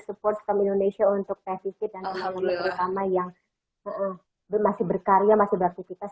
support from indonesia untuk tv dan seluruh indonesia yang masih berkarya masih beraktifitas